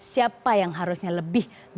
siapa yang harusnya lebih